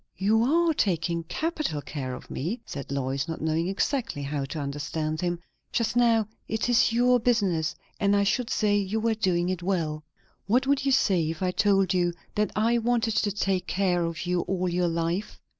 "You are taking capital care of me," said Lois, not knowing exactly how to understand him. "Just now it is your business; and I should say you were doing it well." "What would you say if I told you that I wanted to take care of you all your life?"